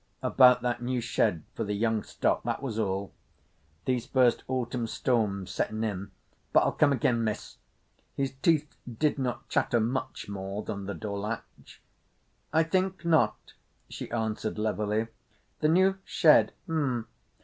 "About that new shed for the young stock—that was all. These first autumn storms settin' in … but I'll come again, Miss." His teeth did not chatter much more than the door latch. "I think not," she answered levelly. "The new shed—m'm.